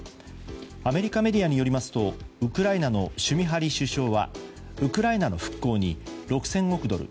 アメリカメディアによりますとウクライナのシュミハリ首相はウクライナの復興に６０００億ドル